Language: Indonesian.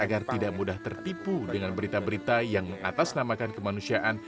agar tidak mudah tertipu dengan berita berita yang mengatasnamakan kemanusiaan